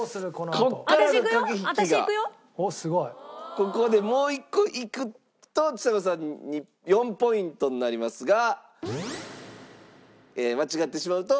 ここでもう一個いくとちさ子さんに４ポイントになりますが間違ってしまうとドボンです。